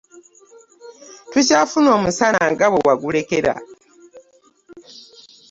Tukyafuna omusana nga bwe wagulekera.